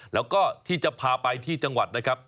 แล้วก็ที่จะพาไปที่จังหวัดนะครับ